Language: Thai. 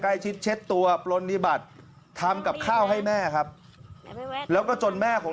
ชิดเช็ดตัวปลนิบัติทำกับข้าวให้แม่ครับแล้วก็จนแม่ของ